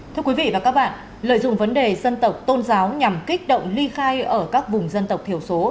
thưa quý vị và các bạn lợi dụng vấn đề dân tộc tôn giáo nhằm kích động ly khai ở các vùng dân tộc thiểu số